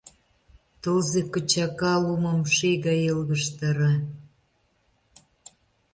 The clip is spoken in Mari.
Тылзе кычака лумым ший гай йылгыжтара.